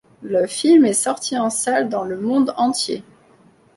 Le film est sorti en salles dans le monde entier.